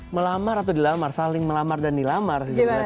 melamar atau dilamar saling melamar dan dilamar sih sebenarnya